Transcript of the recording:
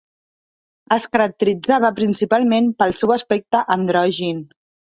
Es caracteritzava principalment pel seu aspecte androgin.